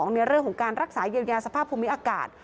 ในเรื่องของการรักษาเยียวยาสภาพภูมิอากาศ